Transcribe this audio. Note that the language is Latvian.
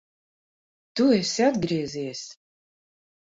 Tu esi atgriezies!